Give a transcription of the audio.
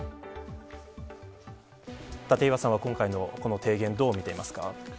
立岩さんは今回の提言どう見ていますか。